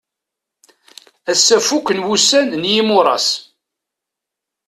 Ass-a fuken wussan n yimuṛas.